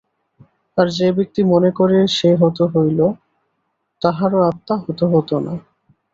আর যে-ব্যক্তি মনে করে, সে হত হইল, তাহারও আত্মা হত হন না।